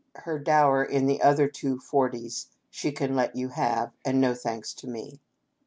Her dower in the other two forties she can let you have, and no thanks to me.